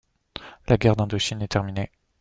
La Guerre d'Indochine est terminée.